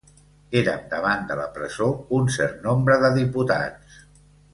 Érem davant de la presó un cert nombre de diputats.